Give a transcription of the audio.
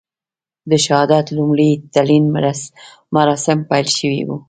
د شهادت لومړي تلین مراسیم پیل شوي و.